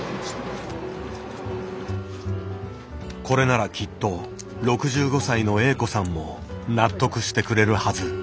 これならきっと６５歳のＡ子さんも納得してくれるはず。